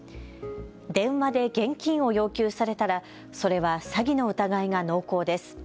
電話で現金を要求されたらそれは詐欺の疑いが濃厚です。